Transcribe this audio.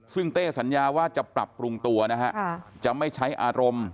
ซึ่งเต้สัญญาว่าจะปรับปรุงตัวนะฮะจะไม่ใช้อารมณ์